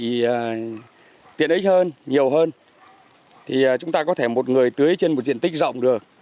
được trang bị tiện ích hơn nhiều hơn thì chúng ta có thể một người tưới trên một diện tích rộng được